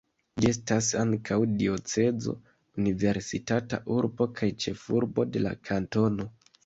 Ĝi estas ankaŭ diocezo, universitata urbo kaj ĉefurbo de la kantono.